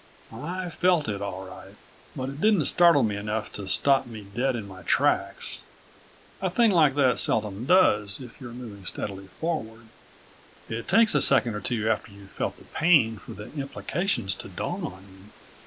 I felt it, all right. But it didn't startle me enough to stop me dead in my tracks. A thing like that seldom does, if you're moving steadily forward. It takes a second or two after you've felt the pain for the implications to dawn on you.